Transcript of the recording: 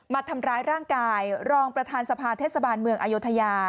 มาทำร้ายร่างกายรองประธานสภาเทศบาลเมืองอายุทยา